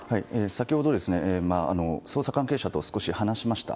先ほど、捜査関係者と少し話しました。